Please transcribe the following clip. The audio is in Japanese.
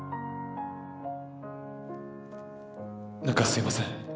何かすいません。